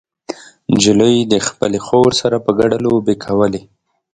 نجلۍ د خپلې خور سره په ګډه لوبې کولې.